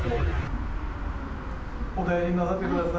お大事になさってください。